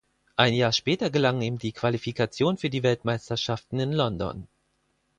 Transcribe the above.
Ein Jahr später gelang ihm die Qualifikation für die Weltmeisterschaften in London.